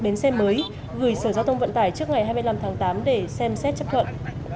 bến xe mới gửi sở giao thông vận tải trước ngày hai mươi năm tháng tám để xem xét chấp thuận